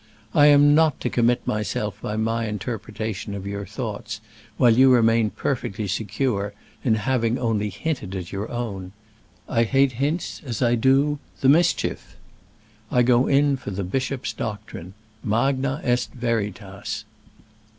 I am not to commit myself by my interpretation of your thoughts, while you remain perfectly secure in having only hinted your own. I hate hints, as I do the mischief. I go in for the bishop's doctrine. _Magna est veritas.